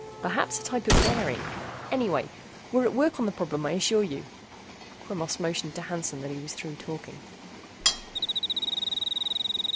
Perhaps a type of bearing. Anyway, we're at work on the problem, I assure you." Quemos motioned to Hansen that he was through talking.